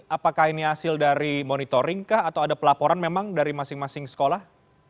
apakah ini hasil dari monitoring kah atau ada pelaporan memang dari masing masing sekolah